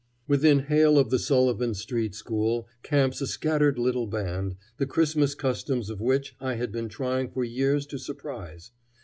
Within hail of the Sullivan street school camps a scattered little band, the Christmas customs of which I had been trying for years to surprise.